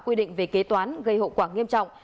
quy định về kế toán gây hậu quả nghiêm trọng